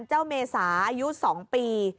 เจ้าเมษายุทธ์๒ปี